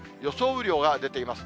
雨量が出ています。